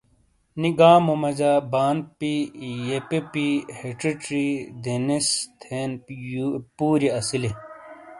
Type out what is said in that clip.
نی گامو مجا بانپی، یپپی، ہچچی، دینیس، تھین پوریی اسیلے۔